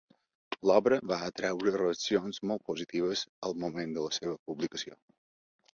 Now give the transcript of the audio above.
L'obra va atraure reaccions molt positives al moment de la seva publicació.